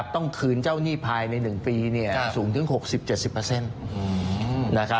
ต้องคืนเจ้าหนี้ภายใน๑ปีสูงถึง๖๐๗๐